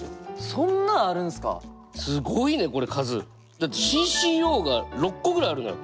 だってＣＣＯが６個ぐらいあるのよ